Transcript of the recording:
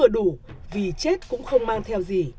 dù vì chết cũng không mang theo gì